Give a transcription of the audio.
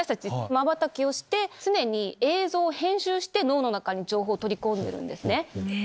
まばたきをして常に映像を編集して脳の中に情報を取り込んでるんですね。